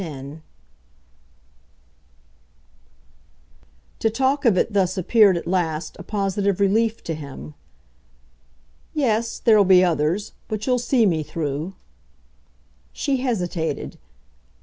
X To talk of it thus appeared at last a positive relief to him. "Yes, there'll be others. But you'll see me through." She hesitated.